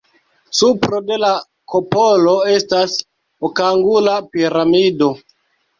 Supro de la kupolo estas okangula piramido.